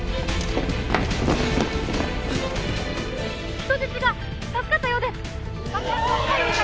「人質が！助かったようです！」